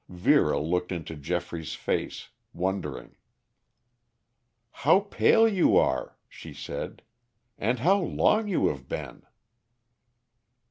Vera looked into Geoffrey's face, wondering. "How pale you are!" she said. "And how long you have been!"